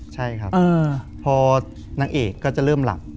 ใช่ครับพอนางเอกก็จะเริ่มหลับ